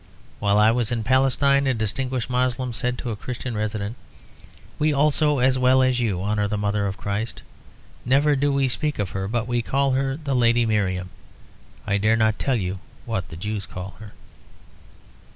While I was in Palestine a distinguished Moslem said to a Christian resident: "We also, as well as you, honour the Mother of Christ. Never do we speak of her but we call her the Lady Miriam. I dare not tell you what the Jews call her."